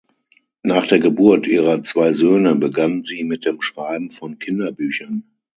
Nach der Geburt ihrer zwei Söhne begann sie mit dem Schreiben von Kinderbüchern.